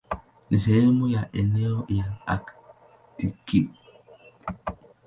Ni sehemu ya eneo la Aktiki.